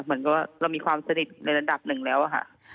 เหมือนกับเรามีความสนิทในระดับหนึ่งแล้วค่ะ